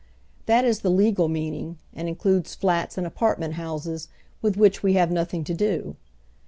That is the Iftgal meaning, and inchides flats and apartiiieut hoiises, with wliich we have nothing to do.